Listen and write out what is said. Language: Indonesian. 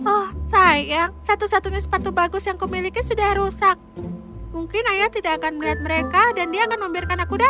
oh sayang satu satunya sepatu bagus yang kumiliki sudah rusak mungkin ayah tidak akan melihat mereka dan dia akan membiarkan aku datang